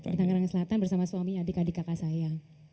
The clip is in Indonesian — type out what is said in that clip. di tangerang selatan bersama suami adik adik kakak saya